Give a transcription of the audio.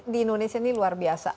di indonesia ini luar biasa